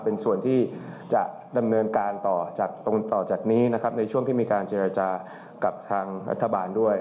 เป็นส่วนที่จะดำเนินการต่อจากตรงต่อจากนี้นะครับในช่วงที่มีการเจรจากับทางรัฐบาลด้วย